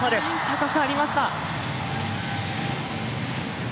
高さありました。